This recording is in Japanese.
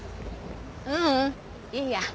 ううんいいや。